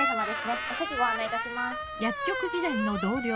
お席ご案内いたします。